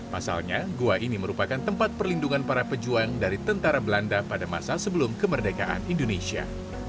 pasalnya gua ini merupakan tempat perlindungan para pejuang dari tentara belanda pada masa sebelum kemerdekaan indonesia